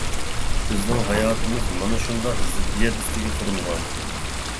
بىزنىڭ ھاياتىمىز مانا شۇنداق زىددىيەت ئۈستىگە قۇرۇلغان.